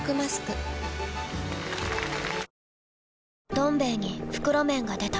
「どん兵衛」に袋麺が出た